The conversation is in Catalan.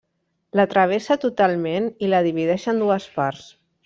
La travessa totalment i la divideix en dues parts.